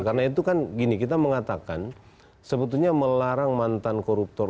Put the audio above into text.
karena itu kan gini kita mengatakan sebetulnya melarang mantan koruptor